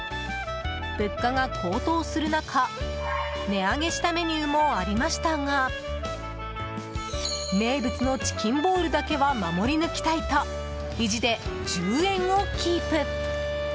物価が高騰する中値上げしたメニューもありましたが名物のチキンボールだけは守り抜きたいと意地で１０円をキープ。